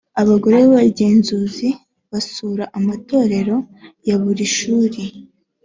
abagore b’abagenzuzi basura amatorero ya buri shuri